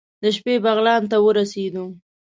د شپې بغلان ته ورسېدو.